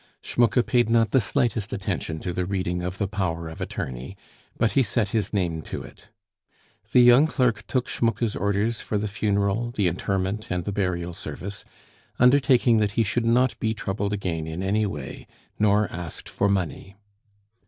Schmucke paid not the slightest attention to the reading of the power of attorney, but he set his name to it. The young clerk took Schmucke's orders for the funeral, the interment, and the burial service; undertaking that he should not be troubled again in any way, nor asked for money.